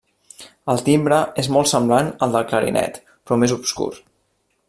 El timbre és molt semblant al del clarinet, però més obscur.